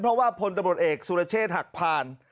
เพราะว่าพลตำรวจเอกสุรเชษฐ์หักผ่าน